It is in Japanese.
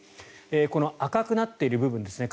この赤くなっている部分ですね